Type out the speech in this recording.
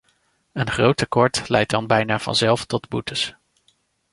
Een groot tekort leidt dan bijna vanzelf tot boetes.